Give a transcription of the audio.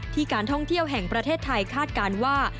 การท่องเที่ยวแห่งประเทศไทยคาดการณ์ว่า